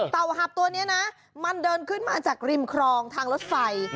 หับตัวนี้นะมันเดินขึ้นมาจากริมครองทางรถไฟ